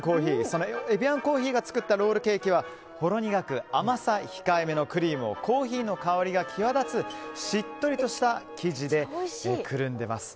そのエビアンコーヒーが作ったロールケーキはほろ苦く、甘さ控えめのクリームをコーヒーの香りが際立つしっとりとした生地でくるんでいます。